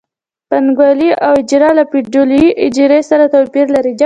پانګوالي اجاره له فیوډالي اجارې سره توپیر لري